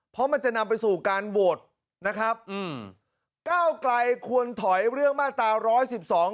เพราะมันจะนำไปสู่การโหวตนะครับอืมก้าวไกลควรถอยเรื่องมาตราร้อยสิบสอง